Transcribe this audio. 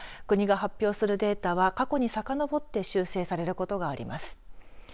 国が発表するデータは過去にさかのぼって修正されることがあります。